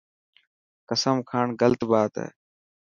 قسم کاڻ غلط بات هي.